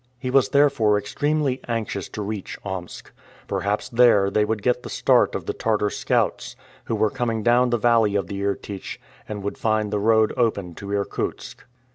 He was therefore extremely anxious to reach Omsk. Perhaps there they would get the start of the Tartar scouts, who were coming down the valley of the Irtych, and would find the road open to Irkutsk.